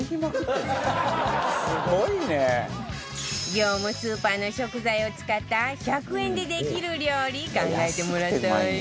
業務スーパーの食材を使った１００円でできる料理考えてもらったわよ